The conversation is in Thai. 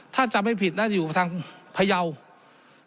ถ้าจำไม่ผิดน่าจะอยู่ทางพยาว